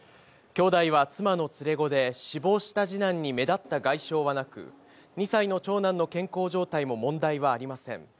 兄弟は妻の連れ子で、死亡した次男に目立った外傷はなく、２歳の長男の健康状態も問題はありません。